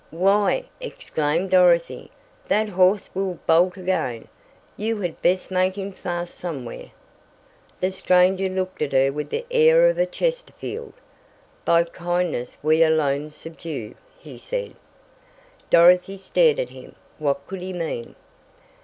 "Why," exclaimed Dorothy, "that horse will bolt again. You had best make him fast somewhere!" The stranger looked at her with the air of a Chesterfield. "By kindness we alone subdue," he said. Dorothy stared at him. What could he mean?